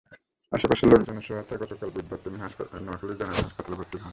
আশপাশের লোকজনের সহায়তায় গতকাল বুধবার তিনি নোয়াখালী জেনারেল হাসপাতালে ভর্তি হন।